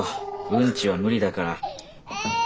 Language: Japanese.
うんちは無理だから。